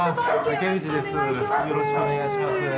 よろしくお願いします。